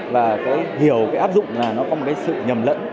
và có hiểu cái áp dụng là nó có một sự nhầm lẫn